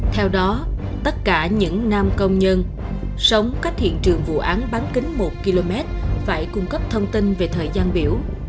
theo đó tất cả những nam công nhân sống cách hiện trường vụ án bán kính một km phải cung cấp thông tin về thời gian biểu